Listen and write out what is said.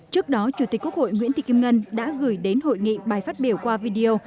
trước đó chủ tịch quốc hội nguyễn thị kim ngân đã gửi đến hội nghị bài phát biểu qua video